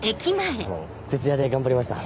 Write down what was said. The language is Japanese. あの徹夜で頑張りました。